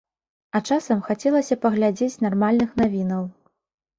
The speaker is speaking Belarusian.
А часам хацелася паглядзець нармальных навінаў.